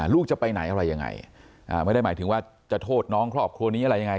ลูกจะไปไหนอะไรยังไงไม่ได้หมายถึงว่าจะโทษน้องครอบครัวนี้อะไรยังไง